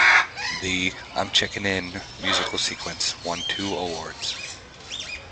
The "I'm Checkin' In" musical sequence won two awards.